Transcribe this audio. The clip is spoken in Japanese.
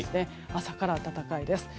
朝から暖かいです。